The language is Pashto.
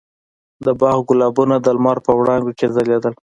د باغ ګلابونه د لمر په وړانګو کې ځلېدل.